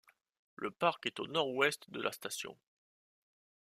Le parc est au nord-ouest de la station.